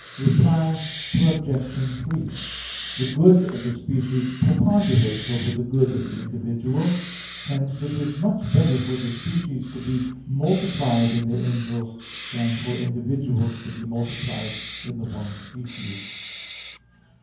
Reply Obj. 3: The good of the species preponderates over the good of the individual. Hence it is much better for the species to be multiplied in the angels than for individuals to be multiplied in the one species.